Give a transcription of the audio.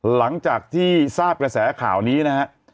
หลังจากที่ทราบกระแสข่าวนี้นะฮะ